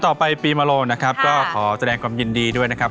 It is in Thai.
ต่อไปปีมโลนะครับก็ขอแสดงความยินดีด้วยนะครับ